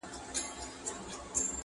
په خوښۍ مستي یې ورځي تېرولې؛